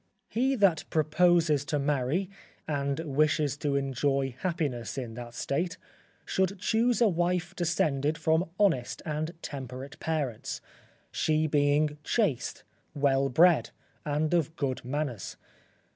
He that proposes to marry, and wishes to enjoy happiness in that state, should choose a wife descended from honest and temperate parents, she being chaste, well bred, and of good manners.